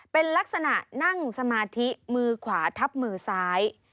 เป็นลักษณะนั่งสมาธิมือขวาทับมือซ้าย